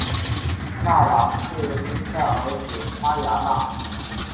纳喇氏生下儿子巴雅喇。